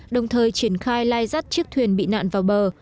đồng thời triển khai lai rắt chiếc thuyền bị nạn vào bờ